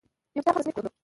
يو کتاب هم تصنيف کړو